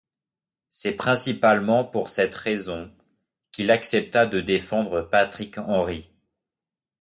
C'est principalement pour cette raison qu'il accepta de défendre Patrick Henry.